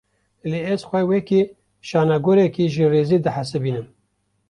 Lê, ez xwe wekî şanogerekî ji rêzê dihesibînim